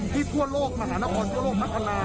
ที่ทั่วโลกมหาละออนทั่วโลกมัธนา